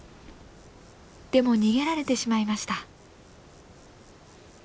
でも逃げられてしまいました。